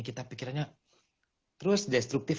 kita pikirnya terus destruktif